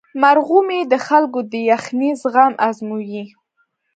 مرغومی د خلکو د یخنۍ زغم ازمويي.